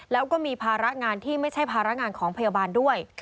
แล้วก็มีภาระงานที่ไม่ใช่ภาระงานของพยาบาลด้วย